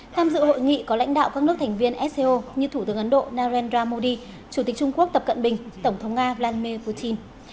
tham dự hội nghị có lãnh đạo các nước thành viên sco như thủ tướng ấn độ narendra modi chủ tịch trung quốc tập cận bình tổng thống nga vladimir putin